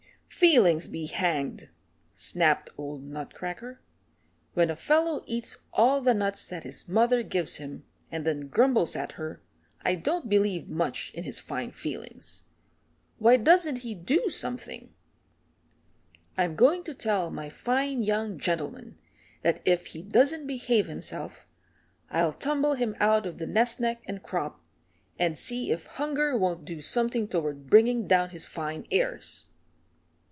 "Feelings be hanged," snapped old Nutcracker. "When a fellow eats all the nuts that his mother gives him, and then grumbles at her, I don't believe much in his fine feelings. Why doesn't he do something? I'm going to tell my fine young gentleman that if he doesn't behave himself I'll tumble him out of the nest neck and crop, and see if hunger won't do something toward bringing down his fine airs."